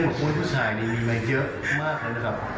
เรื่องบอกพูดผู้ชายนี่มีมาเยอะมากแล้วนะครับ